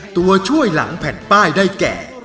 ตัวช่วยหลังแผ่นป้ายได้แก่